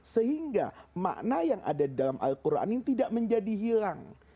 sehingga makna yang ada dalam al quran ini tidak menjadi hilang